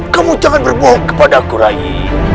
kamu jangan berbohong kepada aku rayi